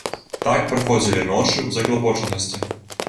Так праходзілі ночы ў заклапочанасці.